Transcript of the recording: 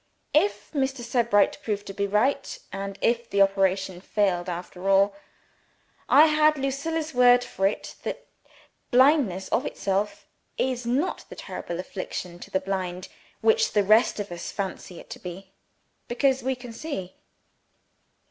If Mr. Sebright proved to be right, and if the operation failed after all, I had Lucilla's word for it that blindness, of itself, is not the terrible affliction to the blind which the rest of us fancy it to be because we can see.